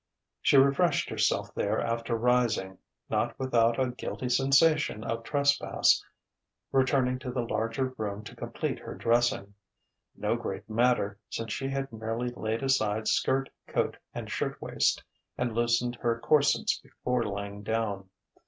She refreshed herself there after rising not without a guilty sensation of trespass returning to the larger room to complete her dressing; no great matter, since she had merely laid aside skirt, coat, and shirtwaist, and loosened her corsets before lying down.